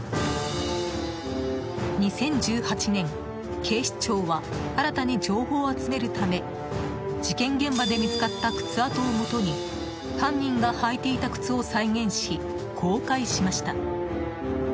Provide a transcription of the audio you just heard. ２０１８年警視庁は新たに情報を集めるため事件現場で見つかった靴跡をもとに犯人が履いていた靴を再現し公開しました。